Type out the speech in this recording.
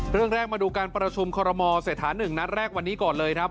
เรื่องแรกมาดูการประชุมคอรมอเศรษฐา๑นัดแรกวันนี้ก่อนเลยครับ